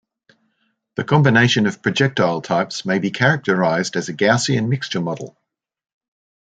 The combination of projectile types may be characterized as a Gaussian mixture model.